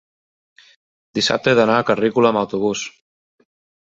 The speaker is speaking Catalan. Dissabte he d'anar a Carrícola amb autobús.